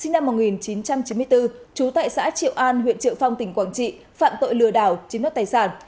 sinh năm một nghìn chín trăm chín mươi bốn trú tại xã triệu an huyện triệu phong tỉnh quảng trị phạm tội lừa đảo chiếm đất tài sản